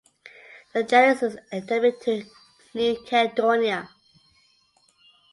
The genus is endemic to New Caledonia.